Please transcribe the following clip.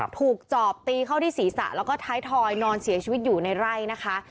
จอบตีเข้าที่ศีรษะแล้วก็ท้ายทอยนอนเสียชีวิตอยู่ในไร่นะคะ